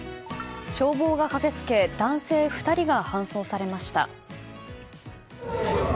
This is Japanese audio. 消防が駆け付け男性２人が搬送されました。